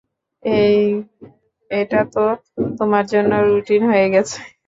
এই, এটা তো তোমার জন্য রুটিন হয়ে গেছে।